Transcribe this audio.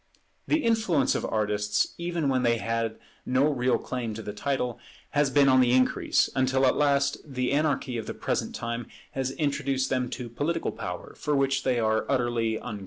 The influence of artists, even when they had no real claim to the title, has been on the increase; until at last the anarchy of the present time has introduced them to political power, for which they are utterly unqualified.